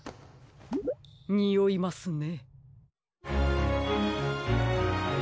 においますね。